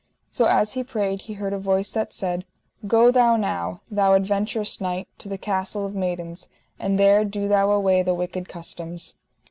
So as he prayed he heard a voice that said: Go thou now, thou adventurous knight, to the Castle of Maidens, and there do thou away the wicked customs.